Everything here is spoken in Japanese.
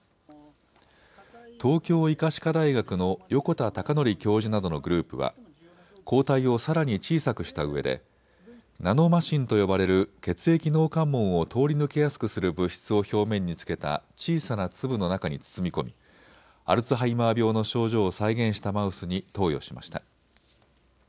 東京医科歯科大学の横田隆徳教授などのグループは抗体をさらに小さくしたうえでナノマシンと呼ばれる血液脳関門を通り抜けやすくする物質を表面につけた小さな粒の中に包み込みアルツハイマー病の症状を再現したマウスに投与しました。